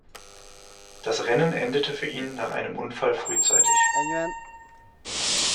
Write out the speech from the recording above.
Das Rennen endete für ihn nach einem Unfall frühzeitig.